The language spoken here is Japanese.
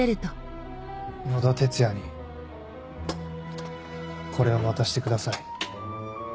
野田哲也にこれを渡してください。